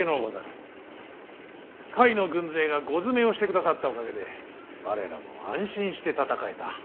甲斐の軍勢が後詰めをしてくださったおかげで我らも安心して戦えた。